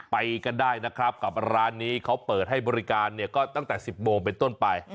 ไปกันได้นะครับกับร้านนี้เขาเปิดให้บริการเนี่ยก็ตั้งแต่๑๐โมงเป็นต้นไป